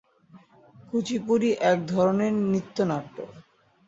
কুচিপুড়ি এক ধরনের নৃত্যনাট্য।